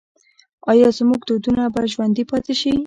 آیا زموږ دودونه به ژوندي پاتې شي؟